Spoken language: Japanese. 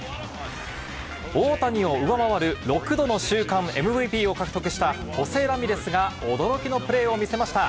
大谷を上回る６度の週間ＭＶＰを獲得した、ホセ・ラミレスが驚きのプレーを見せました。